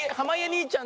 兄ちゃん